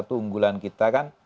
satu unggulan kita kan